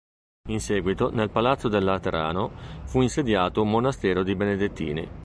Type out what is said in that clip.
In seguito nel Palazzo del Laterano fu insediato un monastero di Benedettini.